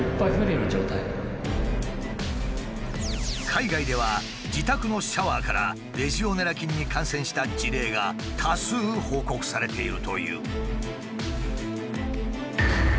海外では自宅のシャワーからレジオネラ菌に感染した事例が多数報告されているという。